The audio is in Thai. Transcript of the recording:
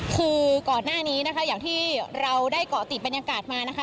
คือก่อนหน้านี้นะคะอย่างที่เราได้เกาะติดบรรยากาศมานะคะ